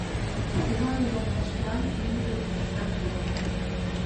Зиновий йолташнан лӱмжӧ тыштат уло.